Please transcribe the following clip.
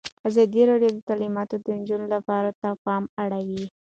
ازادي راډیو د تعلیمات د نجونو لپاره ته پام اړولی.